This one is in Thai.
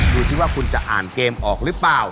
ดูสิว่าคุณจะอ่านเกมออกหรือเปล่า